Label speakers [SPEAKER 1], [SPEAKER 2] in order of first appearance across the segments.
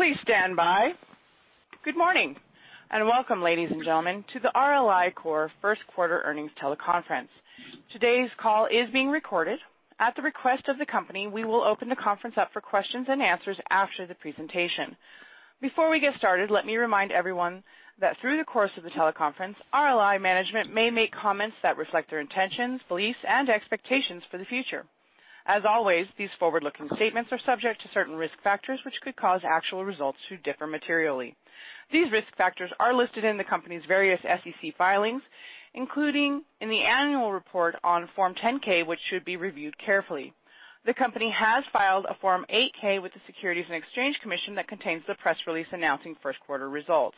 [SPEAKER 1] Please stand by. Good morning, and welcome, ladies and gentlemen, to the RLI Corp. First Quarter Earnings Teleconference. Today's call is being recorded. At the request of the company, we will open the conference up for questions and answers after the presentation. Before we get started, let me remind everyone that through the course of the teleconference, RLI management may make comments that reflect their intentions, beliefs, and expectations for the future. As always, these forward-looking statements are subject to certain risk factors which could cause actual results to differ materially. These risk factors are listed in the company's various SEC filings, including in the annual report on Form 10-K, which should be reviewed carefully. The company has filed a Form 8-K with the Securities and Exchange Commission that contains the press release announcing first quarter results.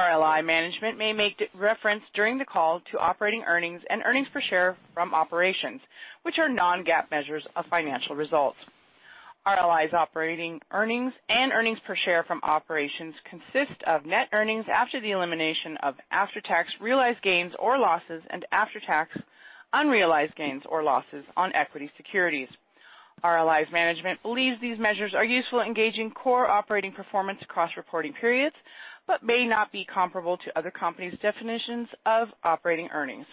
[SPEAKER 1] RLI management may make reference during the call to operating earnings and earnings per share from operations, which are non-GAAP measures of financial results. RLI's operating earnings and earnings per share from operations consist of net earnings after the elimination of after-tax realized gains or losses and after-tax unrealized gains or losses on equity securities. RLI's management believes these measures are useful in gauging core operating performance across reporting periods but may not be comparable to other company's definitions of operating earnings.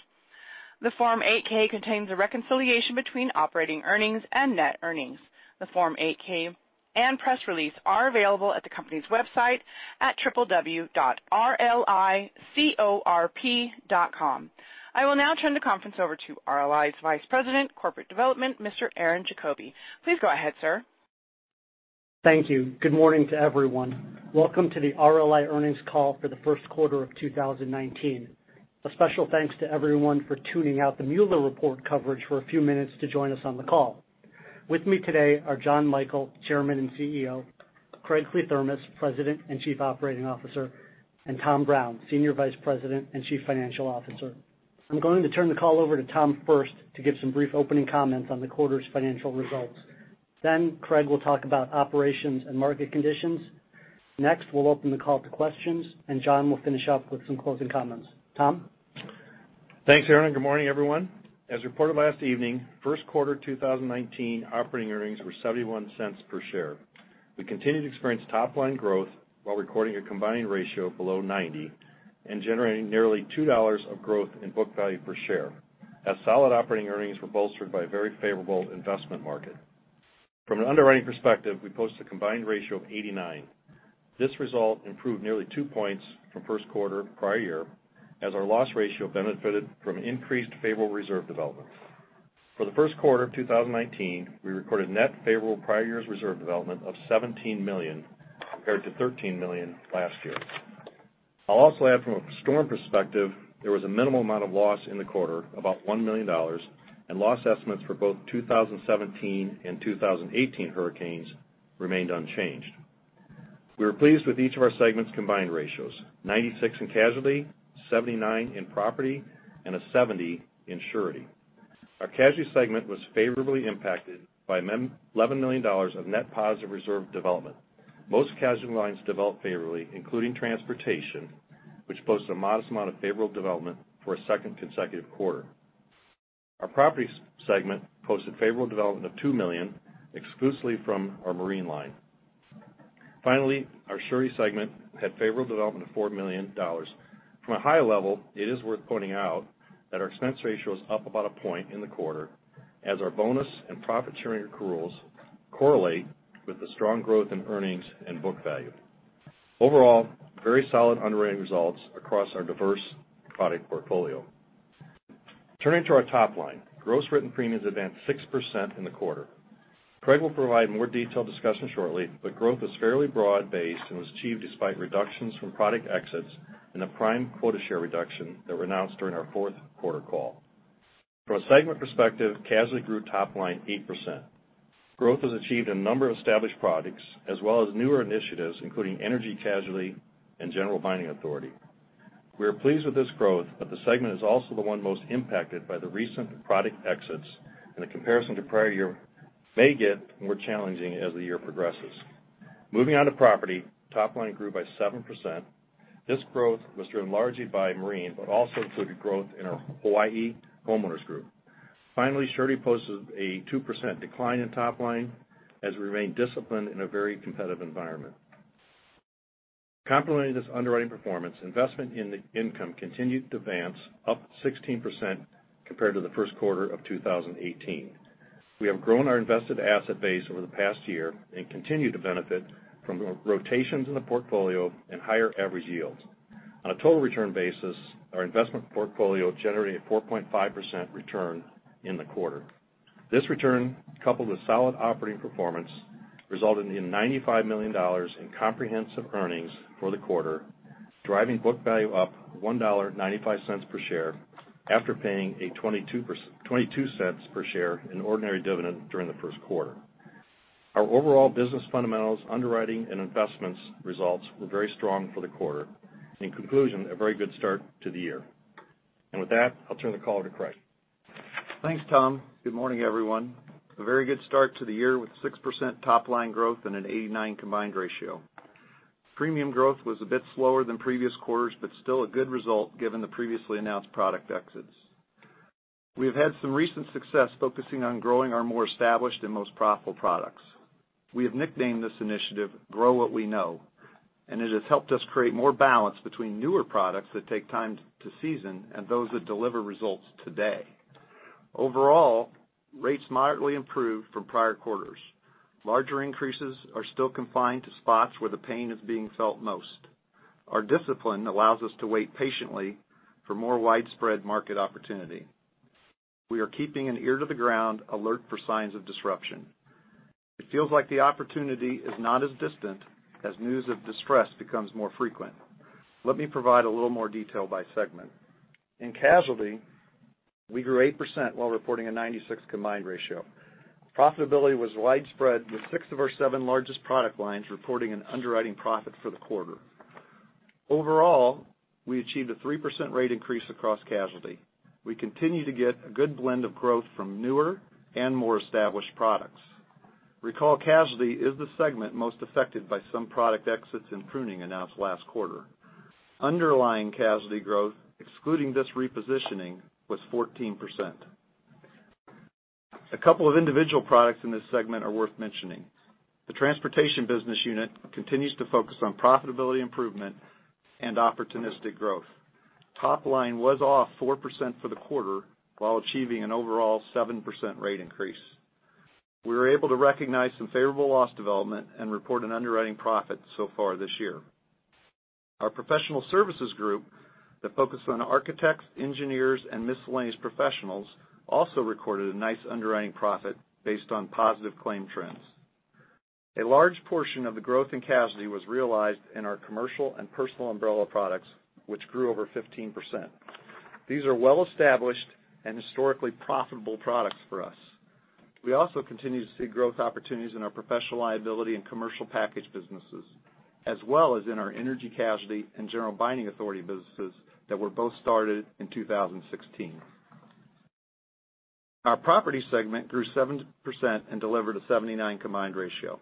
[SPEAKER 1] The Form 8-K contains a reconciliation between operating earnings and net earnings. The Form 8-K and press release are available at the company's website at www.rlicorp.com. I will now turn the conference over to RLI's Vice President, Corporate Development, Mr. Aaron Jacoby. Please go ahead, sir.
[SPEAKER 2] Thank you. Good morning to everyone. Welcome to the RLI earnings call for the first quarter of 2019. A special thanks to everyone for tuning out the Mueller Report coverage for a few minutes to join us on the call. With me today are Jon Michael, Chairman and CEO, Craig Kliethermes, President and Chief Operating Officer, and Tom Brown, Senior Vice President and Chief Financial Officer. I'm going to turn the call over to Tom first to give some brief opening comments on the quarter's financial results. Craig will talk about operations and market conditions. Next, we'll open the call up to questions, and Jon will finish up with some closing comments. Tom?
[SPEAKER 3] Thanks, Aaron. Good morning, everyone. As reported last evening, first quarter 2019 operating earnings were $0.71 per share. We continued to experience top-line growth while recording a combined ratio below 90 and generating nearly $2 of growth in book value per share as solid operating earnings were bolstered by a very favorable investment market. From an underwriting perspective, we posted a combined ratio of 89. This result improved nearly two points from first quarter prior year as our loss ratio benefited from increased favorable reserve development. For the first quarter of 2019, we recorded net favorable prior year's reserve development of $17 million compared to $13 million last year. I'll also add from a storm perspective, there was a minimal amount of loss in the quarter, about $1 million, and loss estimates for both 2017 and 2018 hurricanes remained unchanged. We were pleased with each of our segment's combined ratios, 96 in casualty, 79 in property, and a 70 in surety. Our casualty segment was favorably impacted by $11 million of net positive reserve development. Most casualty lines developed favorably, including transportation, which posted a modest amount of favorable development for a second consecutive quarter. Our property segment posted favorable development of $2 million, exclusively from our marine line. Finally, our surety segment had favorable development of $4 million. From a high level, it is worth pointing out that our expense ratio is up about a point in the quarter as our bonus and profit sharing accruals correlate with the strong growth in earnings and book value. Overall, very solid underwriting results across our diverse product portfolio. Turning to our top line, gross written premiums advanced 6% in the quarter. Craig will provide more detailed discussion shortly. Growth was fairly broad-based and was achieved despite reductions from product exits and a property quota share reduction that were announced during our fourth quarter call. From a segment perspective, casualty grew top line 8%. Growth was achieved in a number of established products as well as newer initiatives, including energy casualty and general binding authority. We are pleased with this growth, but the segment is also the one most impacted by the recent product exits, and the comparison to prior year may get more challenging as the year progresses. Moving on to property, top line grew by 7%. This growth was driven largely by marine, but also included growth in our Hawaii homeowners group. Finally, surety posted a 2% decline in top line as we remain disciplined in a very competitive environment. Complementing this underwriting performance, investment income continued to advance, up 16% compared to the first quarter of 2018. We have grown our invested asset base over the past year and continue to benefit from rotations in the portfolio and higher average yields. On a total return basis, our investment portfolio generated a 4.5% return in the quarter. This return, coupled with solid operating performance, resulted in $95 million in comprehensive earnings for the quarter, driving book value up $1.95 per share after paying a $0.22 per share in ordinary dividend during the first quarter. Our overall business fundamentals, underwriting, and investments results were very strong for the quarter. In conclusion, a very good start to the year. With that, I'll turn the call over to Craig.
[SPEAKER 4] Thanks, Tom. Good morning, everyone. A very good start to the year with 6% top-line growth and an 89 combined ratio. Premium growth was a bit slower than previous quarters, still a good result given the previously announced product exits. We have had some recent success focusing on growing our more established and most profitable products. We have nicknamed this initiative Grow What We Know, and it has helped us create more balance between newer products that take time to season and those that deliver results today. Overall, rates moderately improved from prior quarters. Larger increases are still confined to spots where the pain is being felt most. Our discipline allows us to wait patiently for more widespread market opportunity. We are keeping an ear to the ground, alert for signs of disruption. It feels like the opportunity is not as distant as news of distress becomes more frequent. Let me provide a little more detail by segment. In casualty, we grew 8% while reporting a 96 combined ratio. Profitability was widespread, with six of our seven largest product lines reporting an underwriting profit for the quarter. Overall, we achieved a 3% rate increase across casualty. We continue to get a good blend of growth from newer and more established products. Recall casualty is the segment most affected by some product exits and pruning announced last quarter. Underlying casualty growth, excluding this repositioning, was 14%. A couple of individual products in this segment are worth mentioning. The transportation business unit continues to focus on profitability improvement and opportunistic growth. Top line was off 4% for the quarter while achieving an overall 7% rate increase. We were able to recognize some favorable loss development and report an underwriting profit so far this year. Our professional services group that focus on architects, engineers, and miscellaneous professionals also recorded a nice underwriting profit based on positive claim trends. A large portion of the growth in casualty was realized in our commercial and Personal Umbrella products, which grew over 15%. These are well-established and historically profitable products for us. We also continue to see growth opportunities in our professional liability and commercial package businesses, as well as in our energy casualty and general binding authority businesses that were both started in 2016. Our property segment grew 7% and delivered a 79 combined ratio.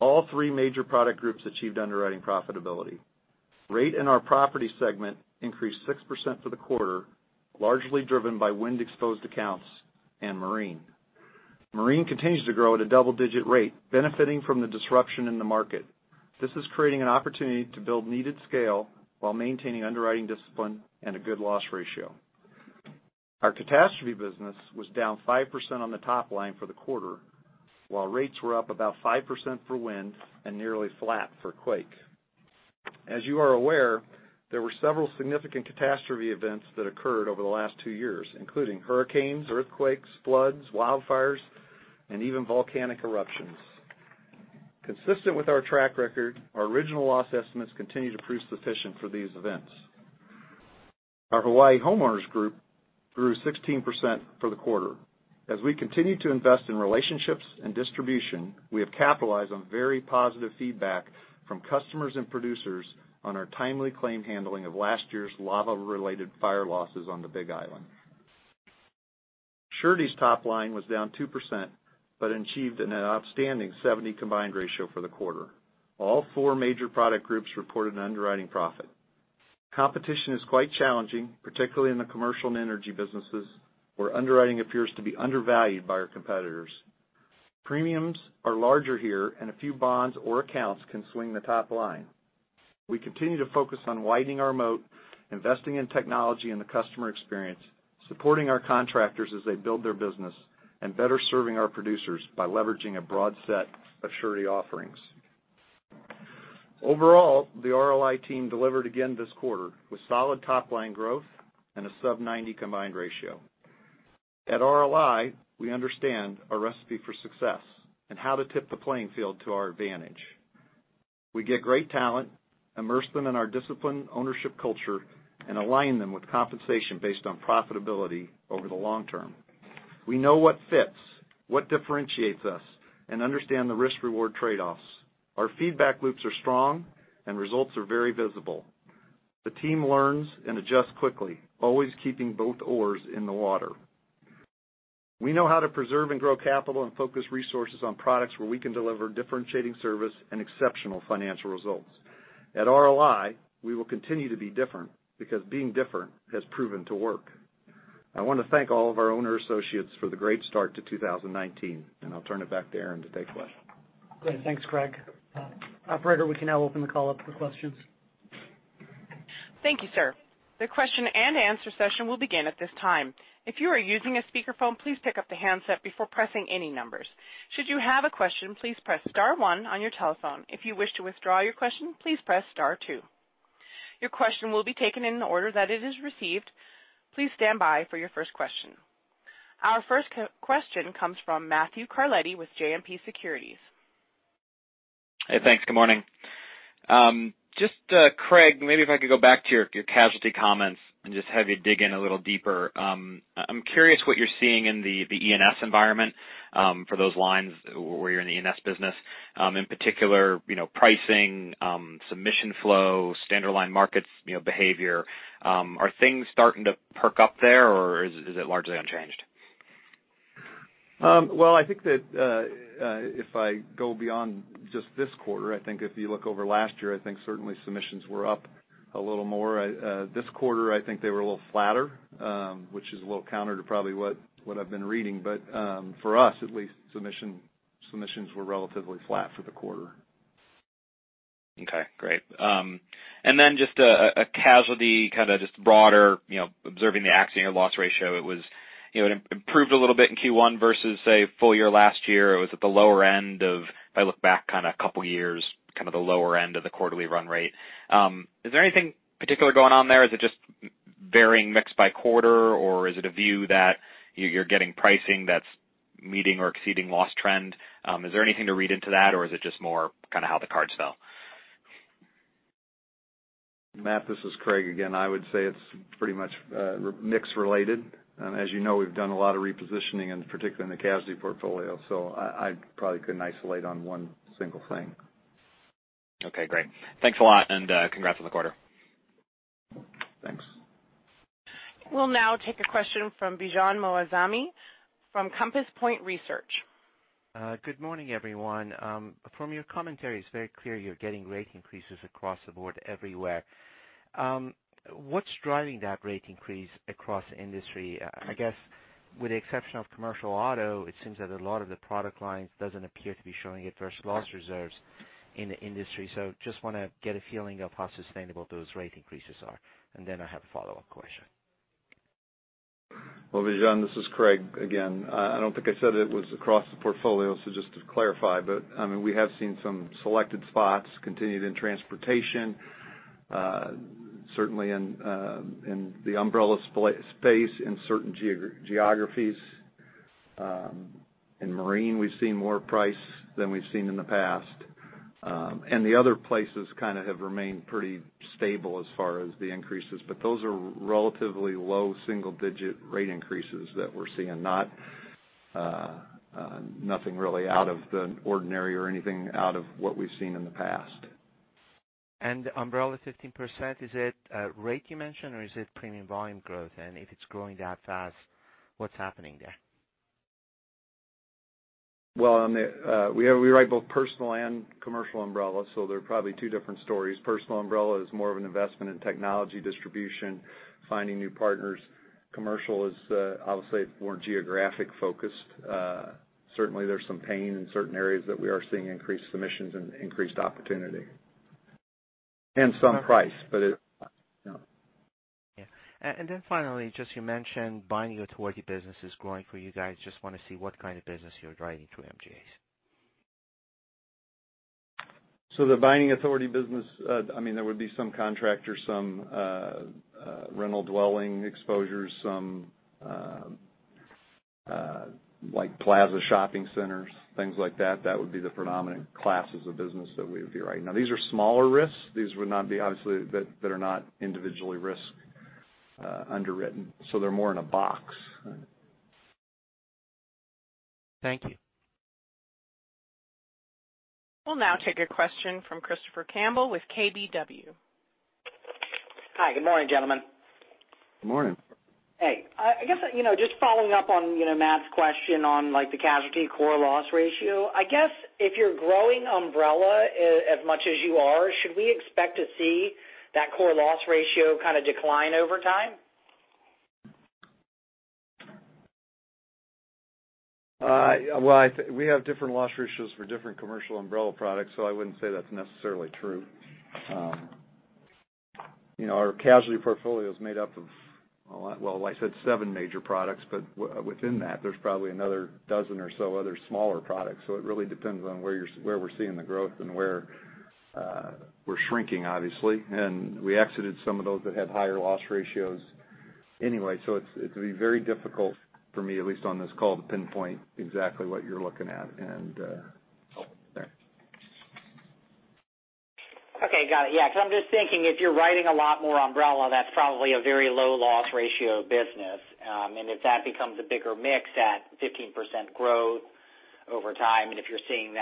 [SPEAKER 4] All three major product groups achieved underwriting profitability. Rate in our property segment increased 6% for the quarter, largely driven by wind-exposed accounts and marine. Marine continues to grow at a double-digit rate, benefiting from the disruption in the market. This is creating an opportunity to build needed scale while maintaining underwriting discipline and a good loss ratio. Our catastrophe business was down 5% on the top line for the quarter, while rates were up about 5% for wind and nearly flat for quake. As you are aware, there were several significant catastrophe events that occurred over the last two years, including hurricanes, earthquakes, floods, wildfires, and even volcanic eruptions. Consistent with our track record, our original loss estimates continue to prove sufficient for these events. Our Hawaii homeowners group grew 16% for the quarter. As we continue to invest in relationships and distribution, we have capitalized on very positive feedback from customers and producers on our timely claim handling of last year's lava-related fire losses on the Big Island. Surety's top line was down 2% but achieved an outstanding 70 combined ratio for the quarter. All four major product groups reported an underwriting profit. Competition is quite challenging, particularly in the commercial and energy businesses, where underwriting appears to be undervalued by our competitors. Premiums are larger here, and a few bonds or accounts can swing the top line. We continue to focus on widening our moat, investing in technology and the customer experience, supporting our contractors as they build their business, and better serving our producers by leveraging a broad set of surety offerings. Overall, the RLI team delivered again this quarter with solid top-line growth and a sub 90 combined ratio. At RLI, we understand our recipe for success and how to tip the playing field to our advantage. We get great talent, immerse them in our disciplined ownership culture, and align them with compensation based on profitability over the long term. We know what fits, what differentiates us, and understand the risk-reward trade-offs. Our feedback loops are strong, and results are very visible. The team learns and adjusts quickly, always keeping both oars in the water. We know how to preserve and grow capital and focus resources on products where we can deliver differentiating service and exceptional financial results. At RLI, we will continue to be different because being different has proven to work. I want to thank all of our owner associates for the great start to 2019, and I'll turn it back to Aaron to take questions.
[SPEAKER 2] Good. Thanks, Craig. Operator, we can now open the call up for questions.
[SPEAKER 1] Thank you, sir. The question and answer session will begin at this time. If you are using a speakerphone, please pick up the handset before pressing any numbers. Should you have a question, please press star one on your telephone. If you wish to withdraw your question, please press star two. Your question will be taken in the order that it is received. Please stand by for your first question. Our first question comes from Matthew Carletti with JMP Securities.
[SPEAKER 5] Hey, thanks. Good morning. Craig, maybe if I could go back to your casualty comments and just have you dig in a little deeper. I'm curious what you're seeing in the E&S environment for those lines where you're in the E&S business, in particular, pricing, submission flow, standard line markets behavior. Are things starting to perk up there, or is it largely unchanged?
[SPEAKER 4] Well, I think that if I go beyond just this quarter, if you look over last year, I think certainly submissions were up a little more. This quarter, I think they were a little flatter, which is a little counter to probably what I've been reading. For us at least, submissions were relatively flat for the quarter.
[SPEAKER 5] Okay, great. Just a casualty, kind of just broader, observing the accident and loss ratio, it improved a little bit in Q1 versus, say, full year last year. It was at the lower end of, if I look back a couple years, the lower end of the quarterly run rate. Is there anything particular going on there? Is it just varying mix by quarter, or is it a view that you're getting pricing that's meeting or exceeding loss trend? Is there anything to read into that, or is it just more kind of how the cards fell?
[SPEAKER 4] Matt, this is Craig again. I would say it's pretty much mix related. As you know, we've done a lot of repositioning, and particularly in the casualty portfolio, so I probably couldn't isolate on one single thing.
[SPEAKER 5] Okay, great. Thanks a lot, and congrats on the quarter.
[SPEAKER 4] Thanks.
[SPEAKER 1] We'll now take a question from Bijan Moazami from Compass Point Research.
[SPEAKER 6] Good morning, everyone. From your commentary, it's very clear you're getting rate increases across the board everywhere. What's driving that rate increase across the industry? I guess with the exception of commercial auto, it seems that a lot of the product lines doesn't appear to be showing adverse loss reserves in the industry. Just want to get a feeling of how sustainable those rate increases are. I have a follow-up question.
[SPEAKER 4] Well, Bijan, this is Craig again. I don't think I said it was across the portfolio, so just to clarify, but we have seen some selected spots continued in transportation, certainly in the umbrella space in certain geographies. In marine, we've seen more price than we've seen in the past. The other places kind of have remained pretty stable as far as the increases, but those are relatively low single digit rate increases that we're seeing, nothing really out of the ordinary or anything out of what we've seen in the past.
[SPEAKER 6] umbrella 15%, is it rate you mentioned or is it premium volume growth? If it's growing that fast, what's happening there?
[SPEAKER 4] We write both Personal Umbrella and commercial umbrella, they're probably two different stories. Personal Umbrella is more of an investment in technology distribution, finding new partners. Commercial is obviously more geographic focused. Certainly, there's some pain in certain areas that we are seeing increased submissions and increased opportunity. Some price.
[SPEAKER 6] Finally, just you mentioned binding authority business is growing for you guys. Just want to see what kind of business you're driving through MGAs.
[SPEAKER 4] The binding authority business, there would be some contractors, some rental dwelling exposures, some plaza shopping centers, things like that. That would be the predominant classes of business that we would be writing. These are smaller risks. These would not be obviously that are not individually risk underwritten, they're more in a box.
[SPEAKER 6] Thank you.
[SPEAKER 1] We'll now take a question from Christopher Campbell with KBW.
[SPEAKER 7] Hi, good morning, gentlemen.
[SPEAKER 4] Good morning.
[SPEAKER 7] Hey. I guess just following up on Matt's question on the casualty core loss ratio. I guess if you're growing umbrella as much as you are, should we expect to see that core loss ratio kind of decline over time?
[SPEAKER 4] Well, we have different loss ratios for different commercial umbrella products, I wouldn't say that's necessarily true. Our casualty portfolio is made up of, well, I said seven major products, but within that, there's probably another dozen or so other smaller products. It really depends on where we're seeing the growth and where we're shrinking, obviously. We exited some of those that had higher loss ratios anyway, it'd be very difficult for me, at least on this call, to pinpoint exactly what you're looking at and there.
[SPEAKER 7] Okay, got it. Yeah, because I'm just thinking if you're writing a lot more umbrella, that's probably a very low loss ratio business. If that becomes a bigger mix at 15% growth over time, if you're seeing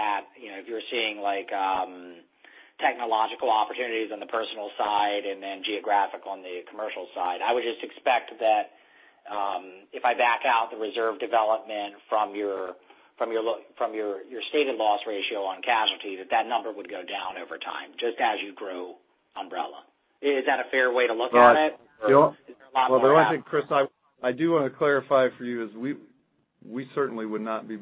[SPEAKER 7] technological opportunities on the personal side, geographic on the commercial side, I would just expect that if I back out the reserve development from your stated loss ratio on casualty, that that number would go down over time just as you grow umbrella. Is that a fair way to look at it?
[SPEAKER 4] No.
[SPEAKER 7] Is there a lot more to that?
[SPEAKER 4] Well, the only thing, Chris, I do want to clarify for you is we certainly would not be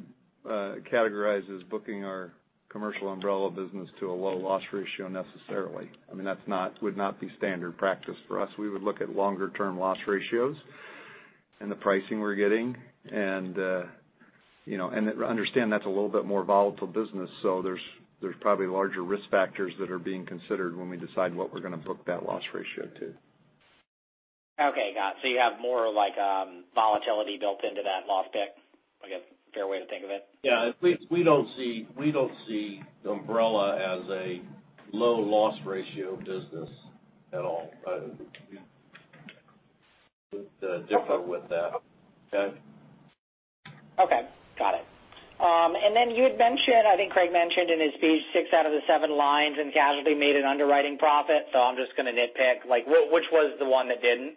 [SPEAKER 4] categorized as booking our commercial umbrella business to a low loss ratio necessarily. That would not be standard practice for us. We would look at longer term loss ratios and the pricing we're getting, and understand that's a little bit more volatile business, so there's probably larger risk factors that are being considered when we decide what we're going to book that loss ratio to.
[SPEAKER 7] Okay, got it. You have more volatility built into that loss pick, I guess, fair way to think of it?
[SPEAKER 4] Yeah. We don't see umbrella as a low loss ratio business at all. We differ with that. Okay?
[SPEAKER 7] Okay. Got it. Then you had mentioned, I think Craig mentioned in his speech, six out of the seven lines in casualty made an underwriting profit. I'm just going to nitpick, which was the one that didn't?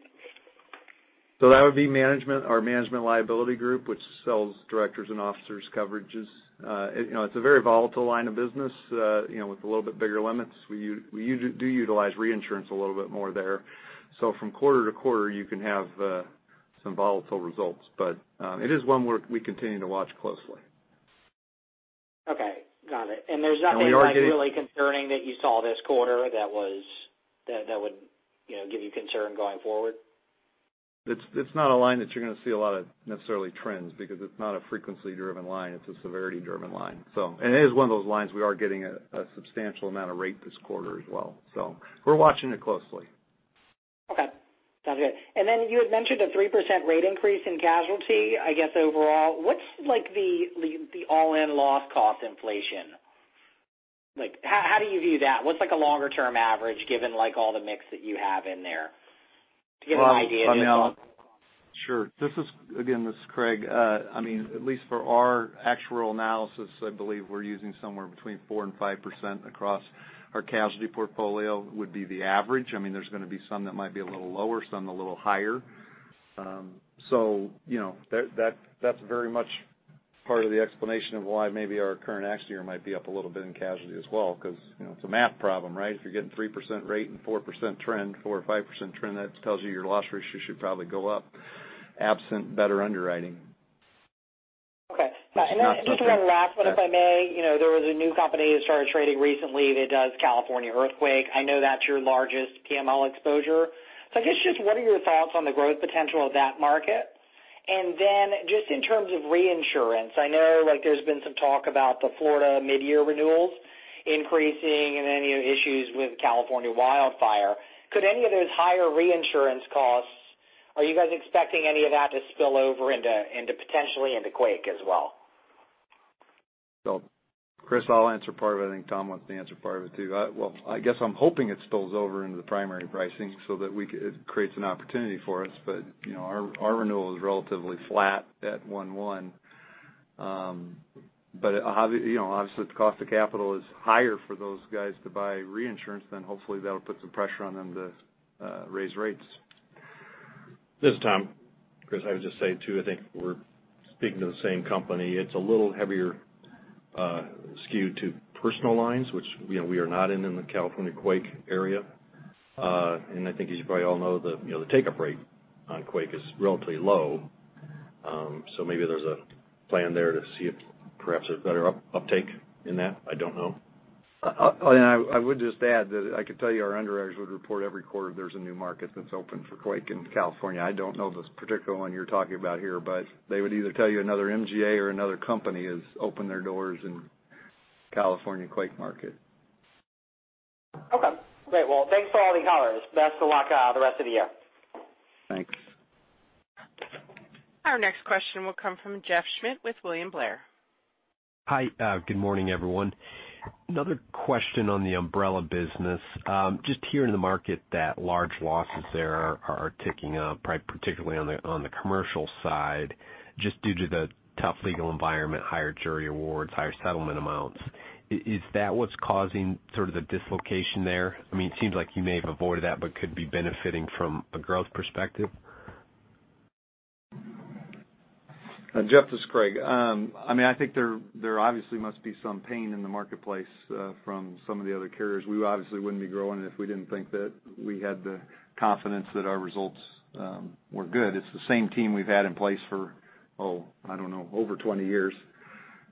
[SPEAKER 4] That would be management, our management liability group, which sells directors and officers coverages. It's a very volatile line of business, with a little bit bigger limits. We do utilize reinsurance a little bit more there. From quarter to quarter, you can have some volatile results. It is one we continue to watch closely.
[SPEAKER 7] Okay. Got it. There's nothing really concerning that you saw this quarter that would give you concern going forward?
[SPEAKER 4] It's not a line that you're going to see a lot of necessarily trends because it's not a frequency-driven line, it's a severity-driven line. It is one of those lines we are getting a substantial amount of rate this quarter as well. We're watching it closely.
[SPEAKER 7] Okay. Sounds good. You had mentioned a 3% rate increase in casualty, I guess overall. What's the all-in loss cost inflation? How do you view that? What's a longer-term average given all the mix that you have in there to give you an idea of the overall cost?
[SPEAKER 4] Sure. Again, this is Craig. At least for our actuarial analysis, I believe we are using somewhere between 4% and 5% across our casualty portfolio would be the average. There is going to be some that might be a little lower, some a little higher. That is very much part of the explanation of why maybe our current accident year might be up a little bit in casualty as well because it is a math problem, right? If you are getting 3% rate and 4% trend, 4% or 5% trend, that tells you your loss ratio should probably go up absent better underwriting.
[SPEAKER 7] Okay. Then just one last one, if I may. There was a new company that started trading recently that does California earthquake. I know that is your largest PML exposure. I guess just what are your thoughts on the growth potential of that market? Then just in terms of reinsurance, I know there has been some talk about the Florida mid-year renewals increasing and any issues with California wildfire. Could any of those higher reinsurance costs, are you guys expecting any of that to spill over potentially into quake as well?
[SPEAKER 4] Chris, I will answer part of it. I think Tom wants to answer part of it too. Well, I guess I am hoping it spills over into the primary pricing so that it creates an opportunity for us. Our renewal is relatively flat at one-one. Obviously, the cost of capital is higher for those guys to buy reinsurance, then hopefully that will put some pressure on them to raise rates.
[SPEAKER 3] This is Tom. Chris, I would just say too, I think we are speaking to the same company. It is a little heavier skewed to personal lines, which we are not in in the California quake area. I think as you probably all know, the take-up rate on quake is relatively low. Maybe there is a plan there to see if perhaps there is better uptake in that. I do not know.
[SPEAKER 4] I would just add that I could tell you our underwriters would report every quarter there's a new market that's open for quake in California. I don't know this particular one you're talking about here, but they would either tell you another MGA or another company has opened their doors in California quake market.
[SPEAKER 7] Okay, great. Well, thanks for all the colors. Best of luck the rest of the year.
[SPEAKER 4] Thanks.
[SPEAKER 1] Our next question will come from Jeff Schmitt with William Blair.
[SPEAKER 8] Hi. Good morning, everyone. Another question on the Umbrella business. Just hearing in the market that large losses there are ticking up, particularly on the commercial side, just due to the tough legal environment, higher jury awards, higher settlement amounts. Is that what's causing sort of the dislocation there? It seems like you may have avoided that but could be benefiting from a growth perspective.
[SPEAKER 4] Jeff Schmitt, this is Craig Kliethermes. I think there obviously must be some pain in the marketplace from some of the other carriers. We obviously wouldn't be growing if we didn't think that we had the confidence that our results were good. It's the same team we've had in place for, oh, I don't know, over 20 years,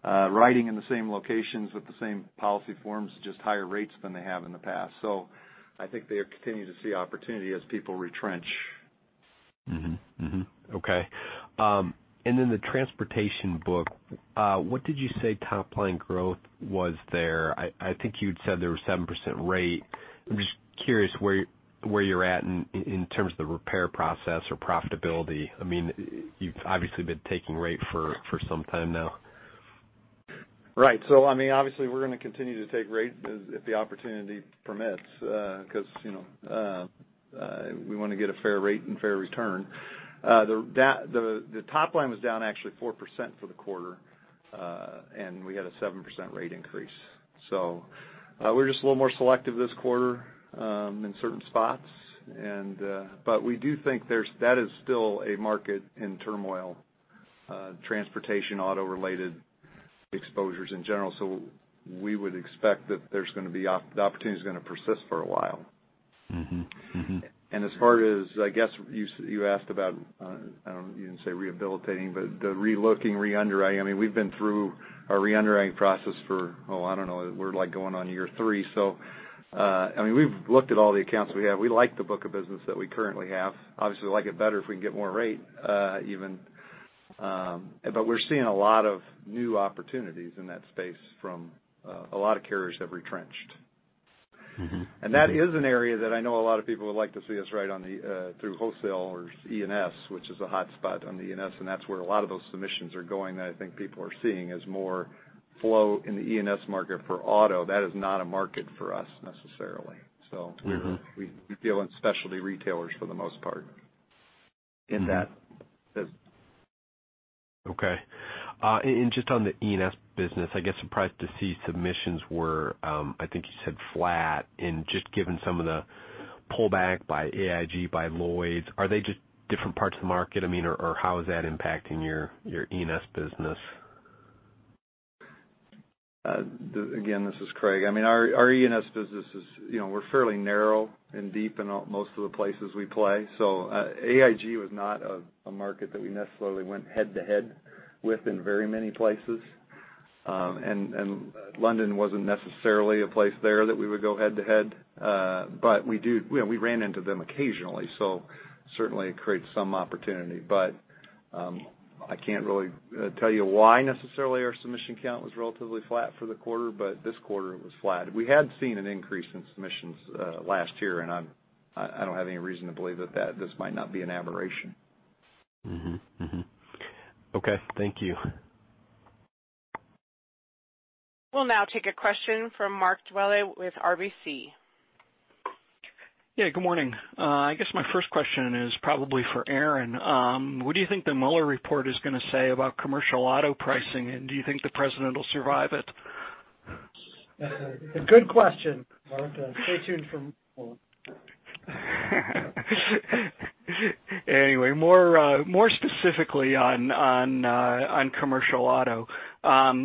[SPEAKER 4] riding in the same locations with the same policy forms, just higher rates than they have in the past. I think they continue to see opportunity as people retrench.
[SPEAKER 8] Mm-hmm. Okay. The transportation book, what did you say top line growth was there? I think you'd said there was 7% rate. I'm just curious where you're at in terms of the repair process or profitability. You've obviously been taking rate for some time now.
[SPEAKER 4] Right. Obviously we're going to continue to take rate if the opportunity permits because we want to get a fair rate and fair return. The top line was down actually 4% for the quarter, and we had a 7% rate increase. We were just a little more selective this quarter in certain spots. We do think that is still a market in turmoil, transportation, auto-related exposures in general. We would expect that the opportunity's going to persist for a while. As far as, I guess you asked about, you didn't say rehabilitating, but the relooking, re-underwriting. We've been through a re-underwriting process for, oh, I don't know, we're going on year three. We've looked at all the accounts we have. We like the book of business that we currently have. Obviously, we'd like it better if we can get more rate even. We're seeing a lot of new opportunities in that space from a lot of carriers have retrenched. That is an area that I know a lot of people would like to see us write through wholesale or E&S, which is a hot spot on the E&S, and that's where a lot of those submissions are going that I think people are seeing as more flow in the E&S market for auto. That is not a market for us necessarily. We deal in specialty retailers for the most part.
[SPEAKER 9] In that.
[SPEAKER 8] Okay. Just on the E&S business, I guess surprised to see submissions were, I think you said flat. Just given some of the pullback by AIG, by Lloyd's, are they just different parts of the market, or how is that impacting your E&S business?
[SPEAKER 4] Again, this is Craig. Our E&S business is we're fairly narrow and deep in most of the places we play. AIG was not a market that we necessarily went head-to-head with in very many places. London wasn't necessarily a place there that we would go head to head. We ran into them occasionally, so certainly it creates some opportunity. I can't really tell you why necessarily our submission count was relatively flat for the quarter, but this quarter it was flat. We had seen an increase in submissions last year, I don't have any reason to believe that this might not be an aberration.
[SPEAKER 8] Okay. Thank you.
[SPEAKER 1] We'll now take a question from Mark Dwelle with RBC.
[SPEAKER 10] Yeah, good morning. I guess my first question is probably for Aaron. What do you think the Mueller Report is going to say about commercial auto pricing, and do you think the president will survive it?
[SPEAKER 9] Good question, Mark. Stay tuned for Mueller.
[SPEAKER 10] More specifically on commercial auto.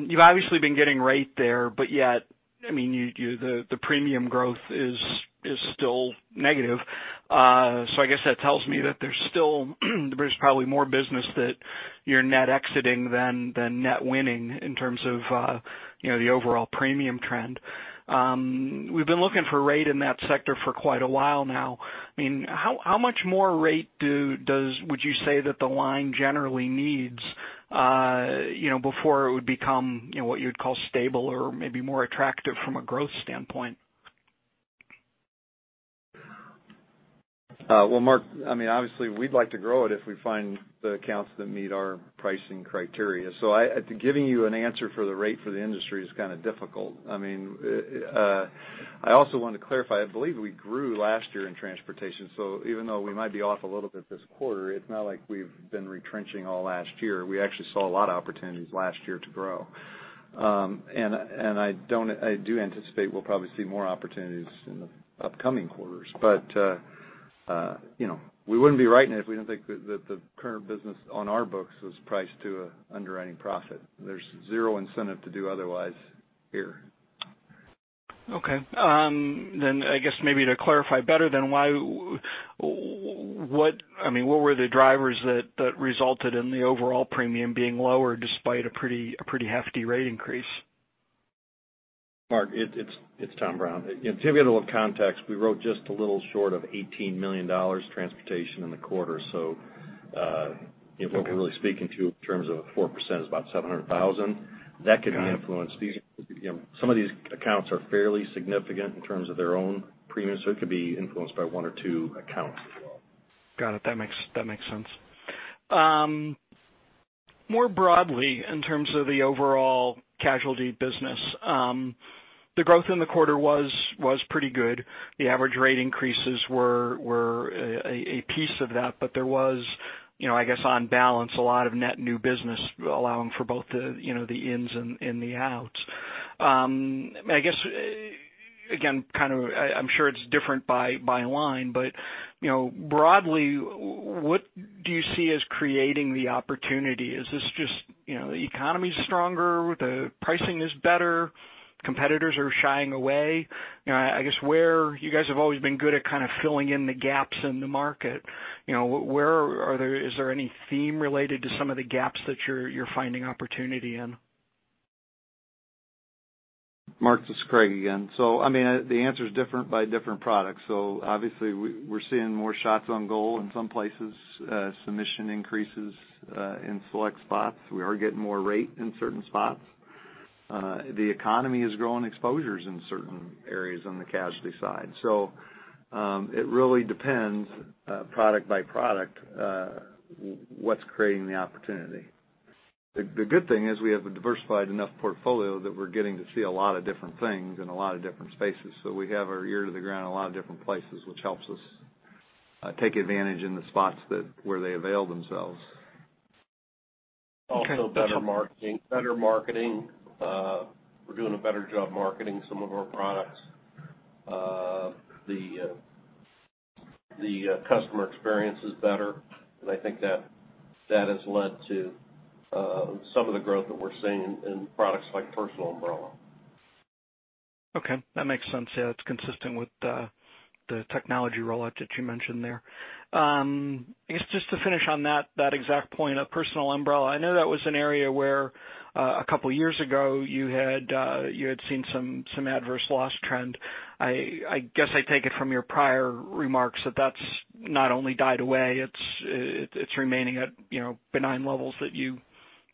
[SPEAKER 10] You've obviously been getting rate there, yet, the premium growth is still negative. I guess that tells me that there's probably more business that you're net exiting than net winning in terms of the overall premium trend. We've been looking for rate in that sector for quite a while now. How much more rate would you say that the line generally needs before it would become what you'd call stable or maybe more attractive from a growth standpoint?
[SPEAKER 4] Well, Mark, obviously we'd like to grow it if we find the accounts that meet our pricing criteria. Giving you an answer for the rate for the industry is kind of difficult. I also want to clarify, I believe we grew last year in transportation. Even though we might be off a little bit this quarter, it's not like we've been retrenching all last year. We actually saw a lot of opportunities last year to grow. I do anticipate we'll probably see more opportunities in the upcoming quarters. We wouldn't be writing it if we didn't think that the current business on our books was priced to underwriting profit. There's zero incentive to do otherwise here.
[SPEAKER 10] Okay. I guess maybe to clarify better then, what were the drivers that resulted in the overall premium being lower despite a pretty hefty rate increase?
[SPEAKER 3] Mark, it's Tom Brown. To give it a little context, we wrote just a little short of $18 million transportation in the quarter. What we're really speaking to in terms of a 4% is about $700,000. That could be influenced. Some of these accounts are fairly significant in terms of their own premiums, so it could be influenced by one or two accounts as well.
[SPEAKER 10] Got it. That makes sense. More broadly, in terms of the overall casualty business, the growth in the quarter was pretty good. The average rate increases were a piece of that, but there was I guess on balance, a lot of net new business allowing for both the ins and the outs. I guess, again, I am sure it is different by line, but broadly, what do you see as creating the opportunity? Is this just the economy's stronger, the pricing is better, competitors are shying away? You guys have always been good at filling in the gaps in the market. Is there any theme related to some of the gaps that you are finding opportunity in?
[SPEAKER 4] Mark, this is Craig again. The answer is different by different products. Obviously we are seeing more shots on goal in some places, submission increases in select spots. We are getting more rate in certain spots. The economy is growing exposures in certain areas on the casualty side. It really depends product by product, what is creating the opportunity. The good thing is we have a diversified enough portfolio that we are getting to see a lot of different things in a lot of different spaces. We have our ear to the ground in a lot of different places, which helps us take advantage in the spots where they avail themselves.
[SPEAKER 10] Okay. That's help-
[SPEAKER 9] Also better marketing. We are doing a better job marketing some of our products. The customer experience is better, and I think that has led to some of the growth that we are seeing in products like Personal Umbrella.
[SPEAKER 10] Okay. That makes sense. Yeah, that's consistent with the technology rollout that you mentioned there. I guess just to finish on that exact point of Personal Umbrella, I know that was an area where a couple of years ago you had seen some adverse loss trend. I guess I take it from your prior remarks that that's not only died away, it's remaining at benign levels that you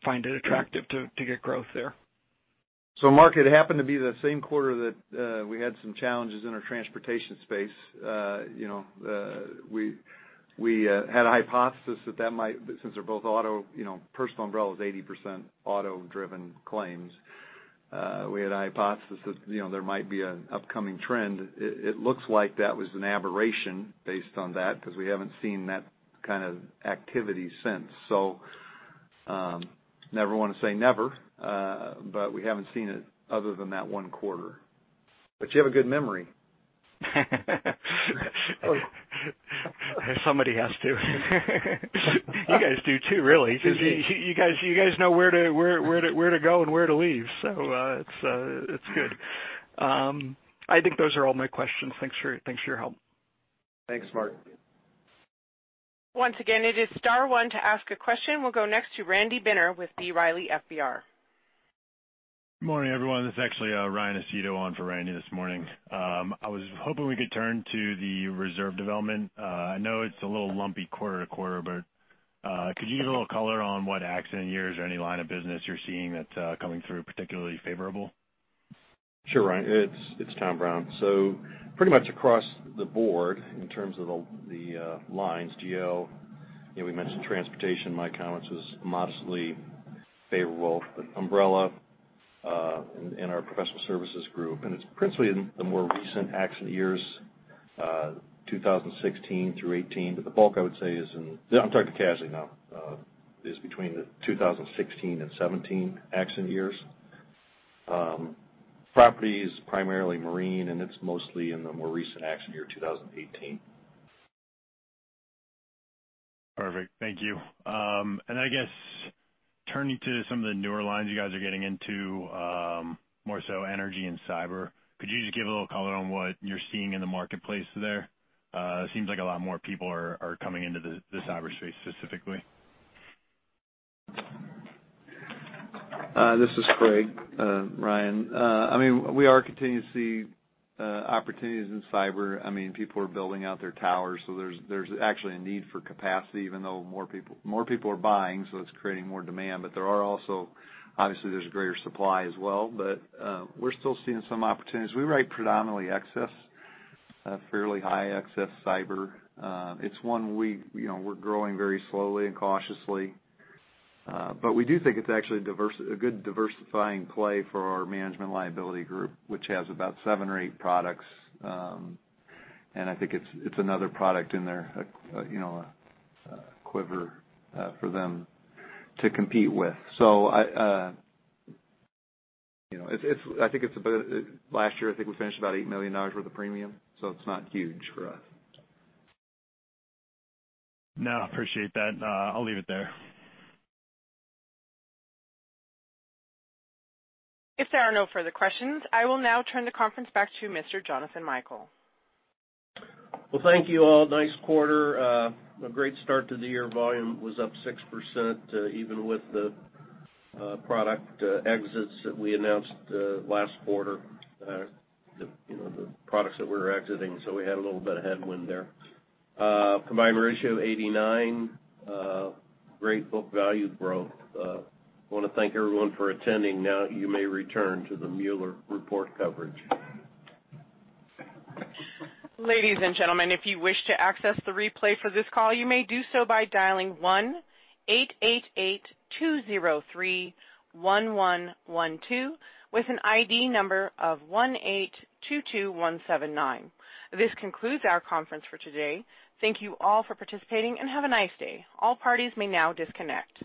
[SPEAKER 10] find it attractive to get growth there.
[SPEAKER 4] Mark, it happened to be the same quarter that we had some challenges in our transportation space. We had a hypothesis that that might, since they're both auto, Personal Umbrella is 80% auto-driven claims. We had a hypothesis there might be an upcoming trend. It looks like that was an aberration based on that because we haven't seen that kind of activity since. Never want to say never, but we haven't seen it other than that one quarter.
[SPEAKER 3] You have a good memory.
[SPEAKER 10] Somebody has to. You guys do too, really. You guys know where to go and where to leave. It's good. I think those are all my questions. Thanks for your help.
[SPEAKER 4] Thanks, Mark.
[SPEAKER 1] Once again, it is star one to ask a question. We'll go next to Randy Binner with B. Riley FBR.
[SPEAKER 11] Good morning, everyone. This is actually Ryan Aceto on for Randy this morning. I was hoping we could turn to the reserve development. I know it's a little lumpy quarter-to-quarter, but could you give a little color on what accident years or any line of business you're seeing that's coming through particularly favorable?
[SPEAKER 3] Sure, Ryan. It's Tom Brown. Pretty much across the board in terms of the lines, GL, we mentioned transportation, my comments was modestly favorable, but umbrella in our professional services group, and it's principally in the more recent accident years, 2016 through 2018. The bulk I would say is in, I'm talking casualty now, is between the 2016 and 2017 accident years. Property is primarily marine, and it's mostly in the more recent accident year, 2018.
[SPEAKER 11] Perfect. Thank you. I guess turning to some of the newer lines you guys are getting into, more so energy and cyber, could you just give a little color on what you're seeing in the marketplace there? Seems like a lot more people are coming into the cyber space specifically.
[SPEAKER 4] This is Craig. Ryan, we are continuing to see opportunities in cyber. People are building out their towers, so there's actually a need for capacity even though more people are buying, so it's creating more demand. There are also, obviously, there's a greater supply as well, but we're still seeing some opportunities. We write predominantly excess, fairly high excess cyber. It's one we're growing very slowly and cautiously. We do think it's actually a good diversifying play for our management liability group, which has about seven or eight products. I think it's another product in their quiver for them to compete with. I think last year, I think we finished about $8 million worth of premium, so it's not huge for us.
[SPEAKER 11] No, I appreciate that. I'll leave it there.
[SPEAKER 1] If there are no further questions, I will now turn the conference back to Mr. Jonathan Michael.
[SPEAKER 9] Well, thank you all. Nice quarter. A great start to the year. Volume was up 6% even with the product exits that we announced last quarter, the products that we're exiting, so we had a little bit of headwind there. Combined ratio 89. Great book value growth. I want to thank everyone for attending. Now you may return to the Mueller Report coverage.
[SPEAKER 1] Ladies and gentlemen, if you wish to access the replay for this call, you may do so by dialing 1-888-203-1112 with an ID number of 1822179. This concludes our conference for today. Thank you all for participating and have a nice day. All parties may now disconnect.